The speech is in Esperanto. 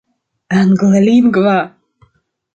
anglalingva